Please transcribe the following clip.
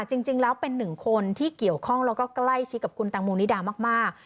จริงแล้วเป็นหนึ่งคนที่เกี่ยวข้องแล้วก็ใกล้ชิดกับคุณตังโมนิดามาก